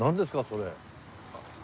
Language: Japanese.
それ。